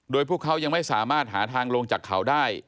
โดยพวกเขายังไม่สามารถหาทางลงจากเขาได้